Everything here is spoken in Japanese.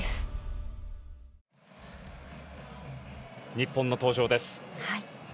日本の登場です。